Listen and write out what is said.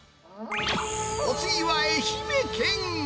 お次は愛媛県。